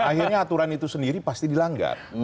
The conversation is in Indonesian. akhirnya aturan itu sendiri pasti dilanggar